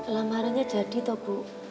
lamarannya jadi toh bu